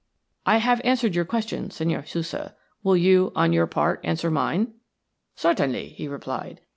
I have answered your question, Senhor Sousa; will you, on your part, answer mine?" "Certainly," he replied.